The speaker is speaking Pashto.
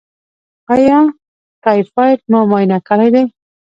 ایا ټایفایډ مو معاینه کړی دی؟